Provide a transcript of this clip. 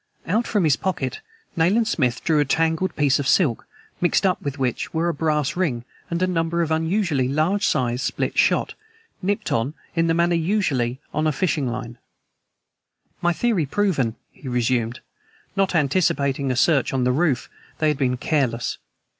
Out from his pocket Nayland Smith drew a tangled piece of silk, mixed up with which were a brass ring and a number of unusually large sized split shot, nipped on in the manner usual on a fishing line. "My theory proven," he resumed. "Not anticipating a search on the roof, they had been careless.